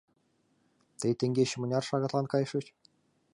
Тый теҥгече мыняр шагатлан кайышыч?